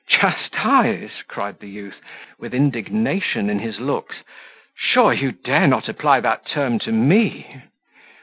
"Chastise!" cried the youth, with indignation in his looks, "sure you dare not apply that term to me?"